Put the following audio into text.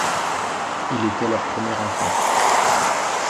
Il était leur premier enfant.